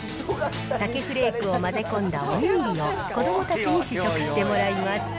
鮭フレークを混ぜ込んだおにぎりを子どもたちに試食してもらいます。